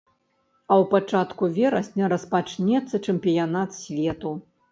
А ў пачатку верасня распачнецца чэмпіянат свету.